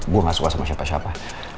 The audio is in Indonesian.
gue gak suka sama siapa siapa